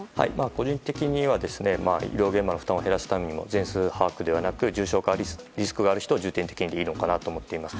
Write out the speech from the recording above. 個人的には医療現場の負担を減らすために全数把握ではなく重症化リスクがある人を重点的でいいのかなと思っています。